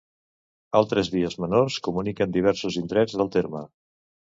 Altres vies menors comuniquen diversos indrets del terme.